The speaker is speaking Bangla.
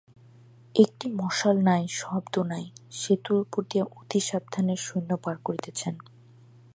একটি মশাল নাই, শব্দ নাই, সেতুর উপর দিয়া অতিসাবধানে সৈন্য পার করিতেছেন।